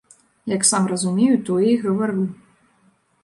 Як сам разумею, тое і гавару.